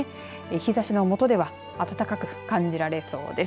日ざしのもとでは暖かく感じられそうです。